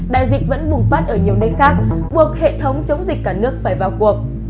đại dịch vẫn bùng phát ở nhiều nơi khác buộc hệ thống chống dịch cả nước phải vào cuộc